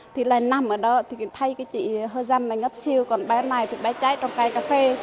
thì lại nằm ở đó thì thấy cái chị hơ dăm là ngất siêu còn bé này thì bé cháy trong cái cà phê